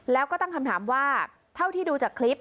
แล้วก็ตั้งคำถามว่าเท่าที่ดูจากคลิป